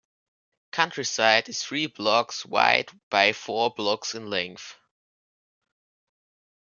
Countryside is three blocks wide by four blocks in length.